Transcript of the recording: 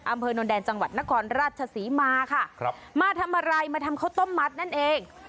อำเภอนนแดนจังหวัดนครราชศรีมาค่ะครับมาทำอะไรมาทำข้าวต้มมัดนั่นเอง